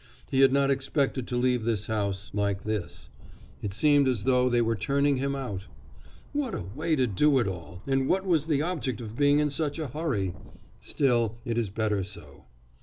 He had not expected to leave this house like this; it seemed as though they were turning him out. 'What a way to do it all! and what was the object of being in such a hurry? Still, it is better so.